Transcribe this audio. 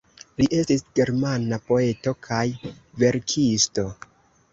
Li estis germana poeto kaj verkisto.